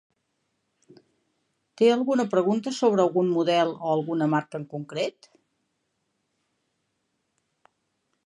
Té alguna pregunta sobre algun model o alguna marca en concret?